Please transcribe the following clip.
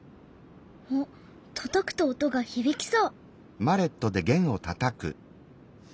おったたくと音が響きそう！